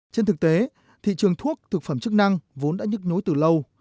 trên thực tế thị trường thuốc thực phẩm chức năng vốn đã nhức nhối từ lâu